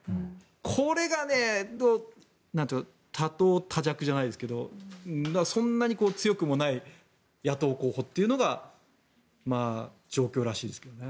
これが多党多弱じゃないですがそんなに強くもない野党候補という状況らしいですけどね。